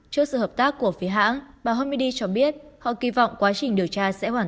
trước sự hợp tác của phía hãng bà homidy cho biết họ kỳ vọng quá trình điều tra sẽ hoàn